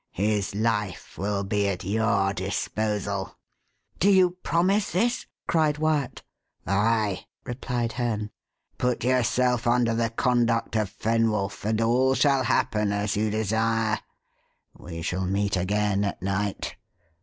"His life will be at your disposal." "Do you promise this?" cried Wyat. "Ay," replied Herne. "Put yourself under the conduct of Fenwolf, and all shall happen as you desire. We shall meet again at night.